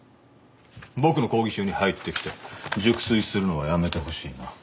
僕の講義中に入ってきて熟睡するのはやめてほしいな。